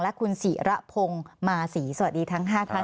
และคุณศรีระพงมาสีสวัสดีทั้ง๕ท่านค่ะ